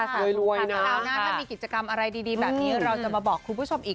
คราวหน้าถ้ามีกิจกรรมอะไรดีแบบนี้เราจะมาบอกคุณผู้ชมอีก